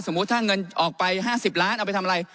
ถ้าเงินออกไป๕๐ล้านเอาไปทำอะไร